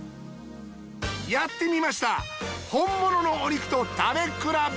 やってみました本物のお肉と食べ比べ！